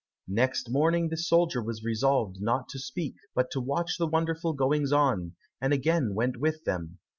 Next morning the soldier was resolved not to speak, but to watch the wonderful goings on, and again went with them.